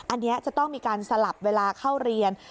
อันนี้จะต้องมีการสลับเวลาเข้าเรียน